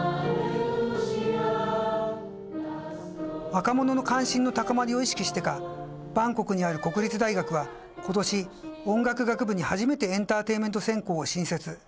若者の関心の高まりを意識してかバンコクにある国立大学は今年音楽学部に初めてエンターテインメント専攻を新設。